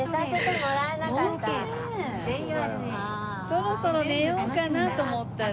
そろそろ寝ようかなと思ったら。